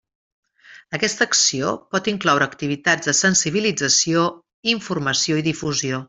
Aquesta acció pot incloure activitats de sensibilització, informació i difusió.